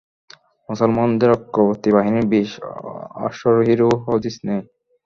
মুসলমানদের অগ্রবর্তী বাহিনীর বিশ অশ্বারোহীরও হদিস নেই।